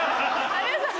有吉さん